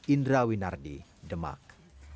indra winardi demak